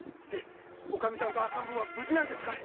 おかみさんと赤ん坊は無事なんですかい？